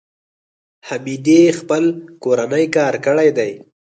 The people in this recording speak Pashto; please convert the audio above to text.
حمیدې خپل کورنی کار کړی دی.